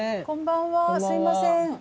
こんばんはすみません。